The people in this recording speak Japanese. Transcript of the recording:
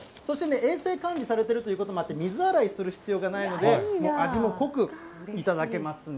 衛生管理されてるということもあって、水洗いする必要がないので、味も濃く頂けますね。